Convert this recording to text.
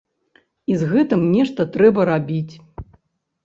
І з гэтым нешта трэба рабіць.